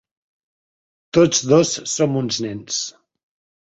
Tots dos som uns nens.